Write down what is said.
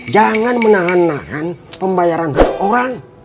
jangan menahan nahan pembayaran hak orang